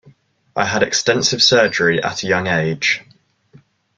I had extensive surgery at a young age.